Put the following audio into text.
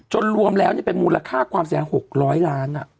จนรวมแล้วเป็นมูลค่าความแสดง๖๐๐ล้านอ่ะ